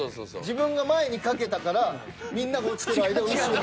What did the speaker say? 自分が前にかけたからみんなが落ちてる間後ろに。